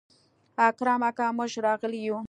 اکرم اکا موږ راغلي يو.